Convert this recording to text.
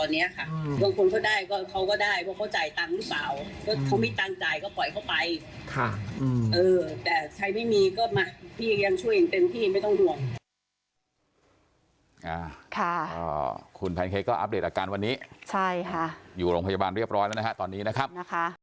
เออแต่ใครไม่มีก็มาพี่ยังช่วยเองเต็มที่ไม่ต้องรวม